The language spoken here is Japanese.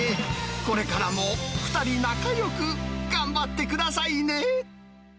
これからも２人仲よく頑張ってくださいね。